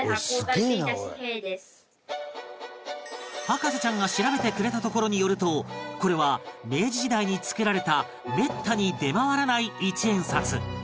博士ちゃんが調べてくれたところによるとこれは明治時代につくられためったに出回らない１円札